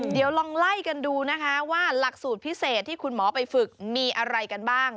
เดี๋ยวลองไล่กันดูนะคะว่าหลักสูตรพิเศษที่คุณหมอไปฝึกมีอะไรกันบ้าง